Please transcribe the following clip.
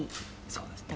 そうですね。